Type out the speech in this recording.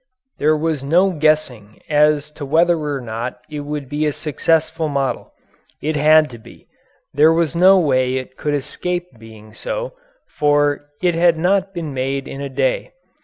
There was no guessing as to whether or not it would be a successful model. It had to be. There was no way it could escape being so, for it had not been made in a day.